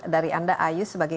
dari anda ayu sebagai